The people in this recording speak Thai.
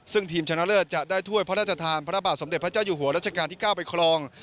ซึ่งทีมชนะเลิศจะได้ถ้วยพระราชทานพระบาทสมเด็จพระเจ้าอยู่หัวรัชกาลที่๙ไปครอง